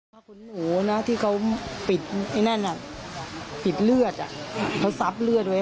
ขุนหนูนะที่เขาปิดไอ้นั่นปิดเลือดเขาซับเลือดไว้